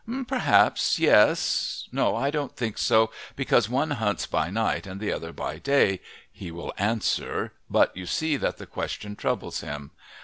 Perhaps; Yes; No, I don't think so, because one hunts by night, the other by day, he will answer, but you see that the question troubles him.